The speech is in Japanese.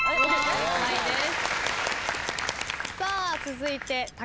正解です。